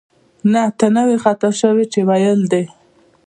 نه، ته نه وې خطا شوې چې ویل دې